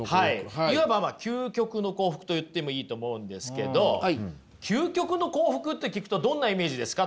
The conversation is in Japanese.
いわばまあ「究極の幸福」と言ってもいいと思うんですけど究極の幸福って聞くとどんなイメージですか？